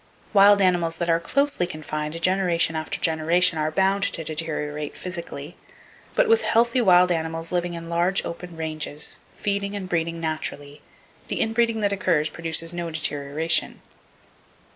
Wild animals that are closely confined generation after generation are bound to deteriorate physically; but with healthy wild animals living in large open ranges, feeding and breeding naturally, the in breeding that occurs produces no deterioration.